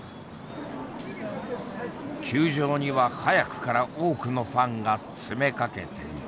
球場には早くから多くのファンが詰めかけていた。